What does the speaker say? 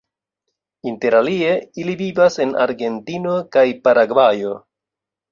Inter alie ili vivas en Argentino kaj Paragvajo.